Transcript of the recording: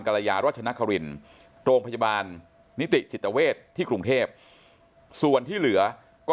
รยารัชนครินโรงพยาบาลนิติจิตเวทที่กรุงเทพส่วนที่เหลือก็